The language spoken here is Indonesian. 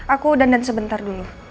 aku dan dan sebentar dulu